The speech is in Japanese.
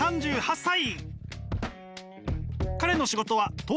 ３８歳。